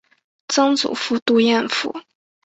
曾祖父杜彦父。